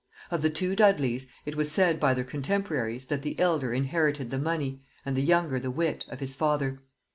Of the two Dudleys it was said by their contemporaries, that the elder inherited the money, and the younger the wit, of his father.